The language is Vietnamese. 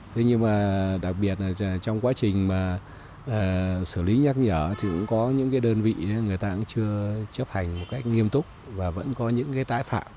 thế nhưng mà đặc biệt là trong quá trình mà xử lý nhắc nhở thì cũng có những cái đơn vị người ta cũng chưa chấp hành một cách nghiêm túc và vẫn có những cái tái phạm